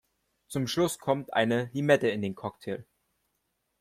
Zum Schluss kommt eine Limette in den Cocktail.